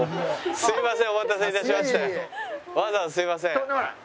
すいません。